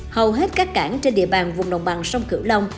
hầu hết các cảng trên địa bàn vùng đồng bằng sông cửu long